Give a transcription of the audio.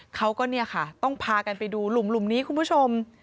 เขาก็ต้องพากันไปดูหลุมนี้คุณผู้ชม